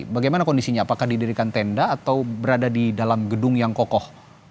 bagaimana kondisinya apakah didirikan tenda atau berada di dalam gedung yang kokoh